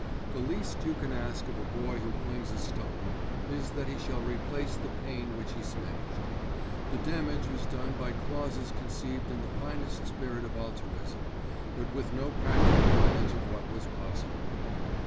The least you can ask of a boy who flings a stone is that he shall replace the pane which he smashed. The damage was done by clauses conceived in the finest spirit of altruism, but with no practical knowledge of what was possible.